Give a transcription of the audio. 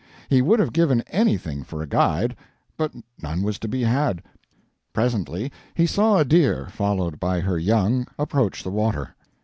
He would have given anything for a guide, but none was to be had. Presently he saw a deer, followed by her young, approach the water.